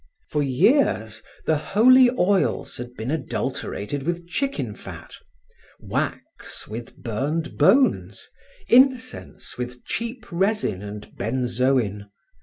For years, the holy oils had been adulterated with chicken fat; wax, with burned bones; incense, with cheap resin and benzoin.